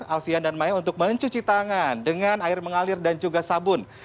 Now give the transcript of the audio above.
alfian dan maya untuk mencuci tangan dengan air mengalir dan juga sabun